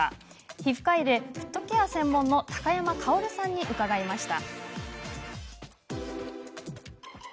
皮膚科医でフットケア専門の高山かおるさんに話を伺いました。